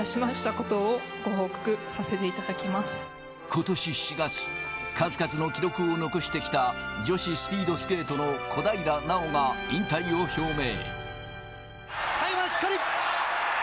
今年４月、数々の記録を残してきた女子スピード選手の小平奈緒が引退を表明。